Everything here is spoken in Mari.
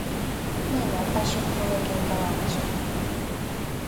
Мыйынат таче кумылем нӧлталалтше.